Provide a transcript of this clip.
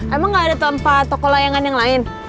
emang gak ada tempat toko layangan yang lain